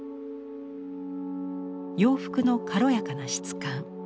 洋服の軽やかな質感